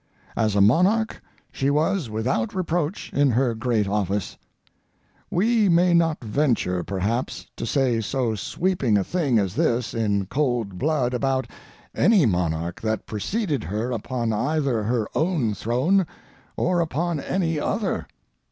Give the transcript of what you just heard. As a monarch she was without reproach in her great office. We may not venture, perhaps, to say so sweeping a thing as this in cold blood about any monarch that preceded her upon either her own throne or upon any other.